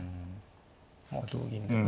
まあ同銀で。